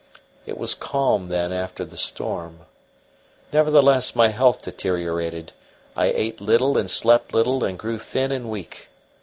It was calm then after the storm. Nevertheless, my health deteriorated. I ate little and slept little and grew thin and weak.